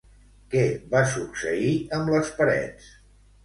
Què va succeir amb les parets?